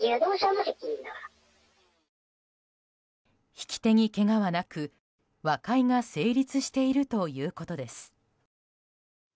曳手にけがはなく和解が成立しているということです。